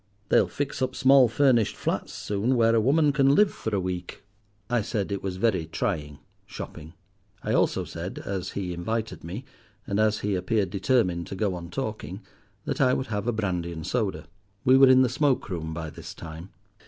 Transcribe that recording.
They'll fix up small furnished flats soon, where a woman can live for a week." I said it was very trying, shopping. I also said, as he invited me, and as he appeared determined to go on talking, that I would have a brandy and soda. We were in the smoke room by this time.